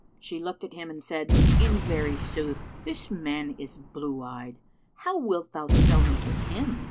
She looked at him and said, "In very sooth this man is blue eyed;[FN#467] how wilt thou sell me to him?"